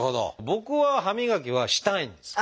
僕は歯磨きはしたいんです。